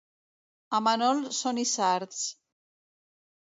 A Manol són isards.